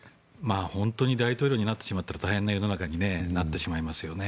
本当に大統領になってしまったら大変な世の中になってしまいますよね。